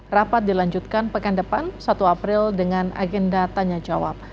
rapat dilanjutkan pekan depan satu april dengan agenda tanya jawab